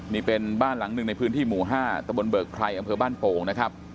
นี่เป็นบ้านหลังหนึ่งในพื้นที่หมู่๕ตะบนเบิกไพรอำเภอบ้านโป่งนะครับ